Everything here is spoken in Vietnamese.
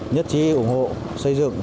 nhất trí ủng hộ xây dựng